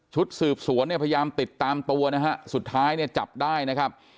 ชุดสืบสวนเนี่ยพยายามติดตามตัวนะฮะสุดท้ายเนี่ยจับได้นะครับ